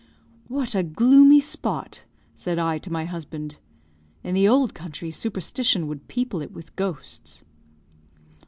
"What a gloomy spot!" said I to my husband. "In the old country, superstition would people it with ghosts."